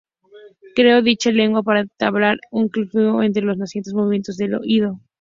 Creó dicha lengua para entablar un conflicto entre los nacientes movimientos del ido.